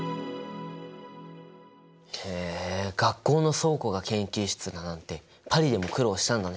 へえ学校の倉庫が研究室だなんてパリでも苦労したんだね。